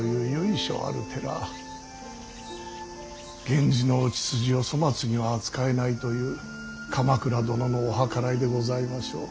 源氏のお血筋を粗末には扱えないという鎌倉殿のお計らいでございましょう。